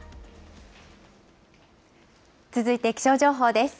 続いて、気象情報です。